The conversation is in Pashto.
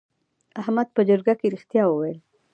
احمد په جرګه کې رښتیا وویل.